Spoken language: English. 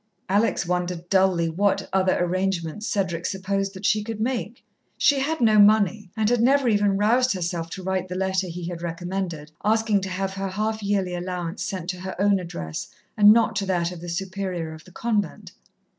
Alex wondered dully what other arrangements Cedric supposed that she could make. She had no money, and had never even roused herself to write the letter he had recommended, asking to have her half yearly allowance sent to her own address and not to that of the Superior of the convent.